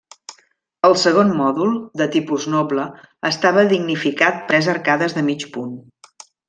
El segon mòdul, de tipus noble, estava dignificat per tres arcades de mig punt.